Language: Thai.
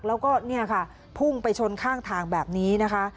แล้วก็เนี่ยค่ะพุ่งไปชนข้างทางแบบนี้นะคะ